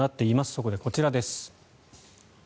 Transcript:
そこでこちらです。